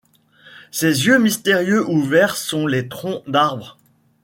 Ces yeux mystérieux ouverts sur les troncs d'arbre